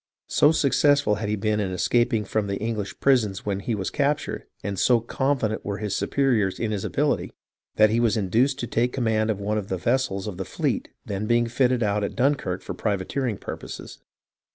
So suc cessful had he been in escaping from the English prisons when he was captured, and so confident were his superiors in his ability, that he was induced to take command of one of the vessels of the fleet then being fitted out at Dun kirk for privateering purposes.